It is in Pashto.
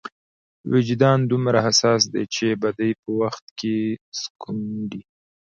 وجدان دومره حساس دی چې بدۍ په وخت کې سکونډي.